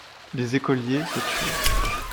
Les écoliers se turent.